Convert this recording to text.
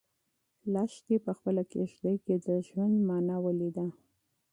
لښتې په خپله کيږدۍ کې د ژوند مانا ولیده.